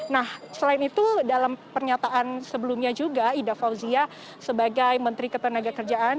nah selain itu dalam pernyataan sebelumnya juga ida fauzia sebagai menteri ketenaga kerjaan